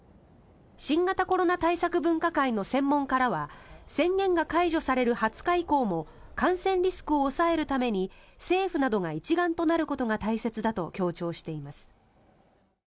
新型コロナ対策分科会の専門家らは宣言が解除される２０日以降も感染リスクを抑えるために政府などが一丸となることが大切だと強調しています。